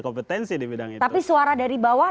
kompetensi di bidang ini tapi suara dari bawah